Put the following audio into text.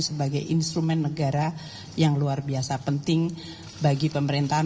sebagai instrumen negara yang luar biasa penting bagi pemerintahan